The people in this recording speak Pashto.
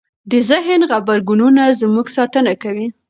د ذهن غبرګونونه زموږ ساتنه کوي.